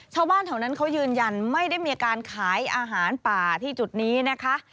ชาวบ้านแถวนั้นเขายืนยันไม่ได้มีการขายอาหารป่าที่จุดนี้นะคะ